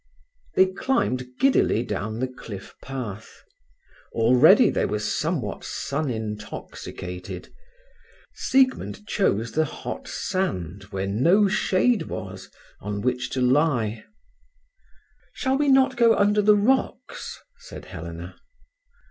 They climbed giddily down the cliff path. Already they were somewhat sun intoxicated. Siegmund chose the hot sand, where no shade was, on which to lie. "Shall we not go under the rocks?" said Helena.